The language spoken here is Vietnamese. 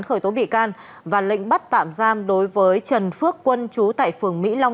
khởi tố bị can và lệnh bắt tạm giam đối với trần phước quân chú tại phường mỹ long